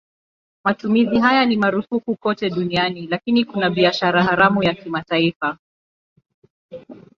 Matumizi haya ni marufuku kote duniani lakini kuna biashara haramu ya kimataifa.